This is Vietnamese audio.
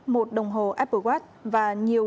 một đồng hồ apple watch và nhiều